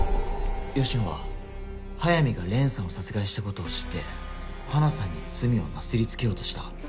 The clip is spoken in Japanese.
芳野は速水が蓮さんを殺害したことを知って花さんに罪をなすりつけようとした。